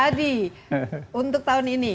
adi untuk tahun ini